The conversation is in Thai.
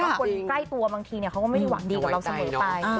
คนใกล้ตัวบางทีเขาก็ไม่ได้หวังดีกับเราเสมอไป